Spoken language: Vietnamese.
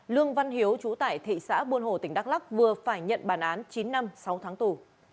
lương văn hiếu chú tải thị xã buôn hồ tỉnh đắk lắk vừa phải nhận bàn án chín năm sáu tháng tù